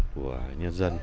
của nhân dân